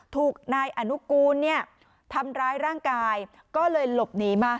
ถูกนายอนุกูลเนี่ยทำร้ายร่างกายก็เลยหลบหนีมา